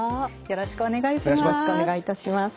よろしくお願いします。